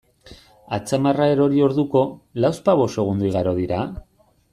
Atzamarra erori orduko, lauzpabost segundo igaro dira?